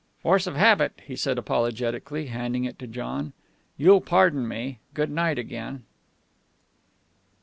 "Force of habit," he said apologetically, handing it to John. "You'll pardon me. Good night again."